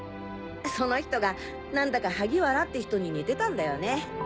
その人が何だか萩原って人に似てたんだよね。